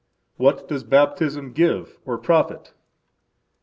What does Baptism give or profit?